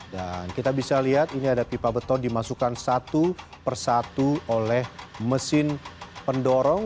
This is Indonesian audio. dan kita bisa lihat ini ada pipa beton dimasukkan satu persatu oleh mesin pendorong